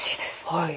はい。